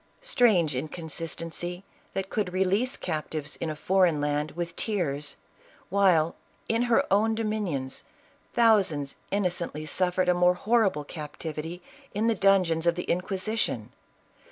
Strange inconsistency that could release captives in a foreign land with tears, while, in her own dominions, thousands innocently suffered a more horrible captivity in the dungeons of the Inquisition!